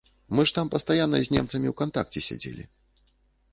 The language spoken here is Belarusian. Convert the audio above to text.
Мы ж там пастаянна з немцамі ў кантакце сядзелі.